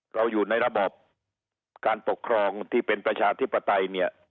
เราอยู่ในระบบการปกครองที่เป็นประชาธิปไตยเนี่ย